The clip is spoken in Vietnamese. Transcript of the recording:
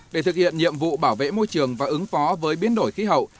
để thực hiện nhiệm vụ bảo vệ môi trường và ứng phó với biến đổi khí hậu